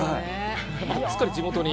すっかり地元に。